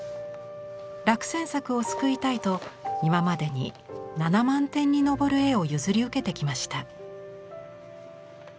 落選作を救いたいと今までに７万点に上る絵を譲り受けてきました。